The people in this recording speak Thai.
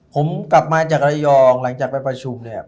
ผมกลับมาจากระยองหลังจากไปประชุมเนี่ย